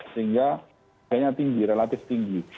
sehingga harganya tinggi relatif tinggi